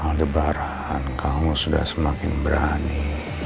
ah debaran kamu sudah semakin berani